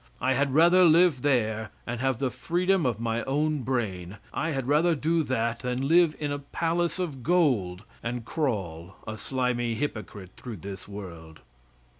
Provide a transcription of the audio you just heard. I had rather live there, and have the freedom of my own brain; I had rather do that than live in a palace of gold, and crawl, a slimy hypocrite, through this world.